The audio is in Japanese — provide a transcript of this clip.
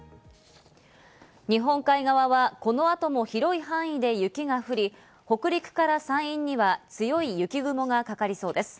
日本海側はこの後も広い範囲で雪が降り、北陸から山陰には強い雪雲がかかりそうです。